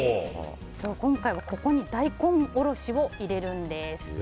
今回はここに大根おろしを入れるんです。